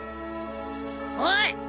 おい！